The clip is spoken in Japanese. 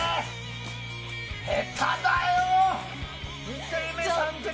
下手だよ！